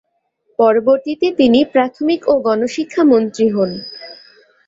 পরবর্তীতে তিনি প্রাথমিক ও গণশিক্ষা মন্ত্রী হন।